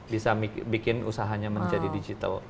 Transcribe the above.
bisa bikin usahanya menjadi digital